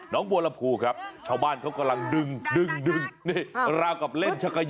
น้องบัวละภูครับชาวบ้านเขากำลังดึงดึงดึงนี่ราวกับเล่นชักเกย้อ